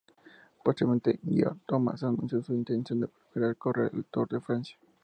Posteriormente, Geoff Thomas anunció su intención de volver a correr el Tour de Francia.